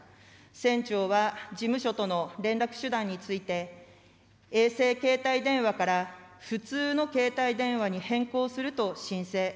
船長は事務所との連絡手段について、衛星携帯電話から普通の携帯電話に変更すると申請。